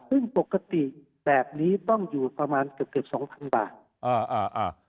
ซึ่งปกติแบบนี้ต้องอยู่ประมาณเกือบ๒๐๐๐บาท